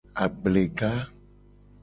Agblega.